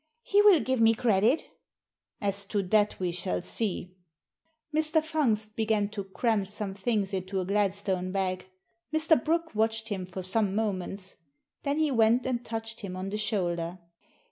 He will give me credit" "As to that we shall see." Mr. Fungst began to cram some things into a Gladstone bag. Mr. Brooke watched him for some moments. Then he went and touched him on the shoulder.